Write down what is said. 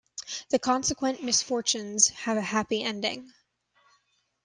The consequent misfortunes have a happy ending.